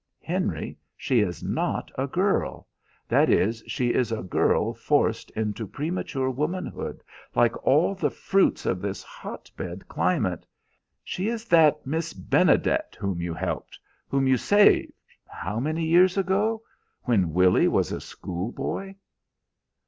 "Henry, she is not a girl! That is, she is a girl forced into premature womanhood, like all the fruits of this hotbed climate. She is that Miss Benedet whom you helped, whom you saved how many years ago? When Willy was a schoolboy."